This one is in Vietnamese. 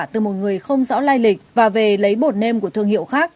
từ một người không rõ lai lịch và về lấy bột nêm của thương hiệu khác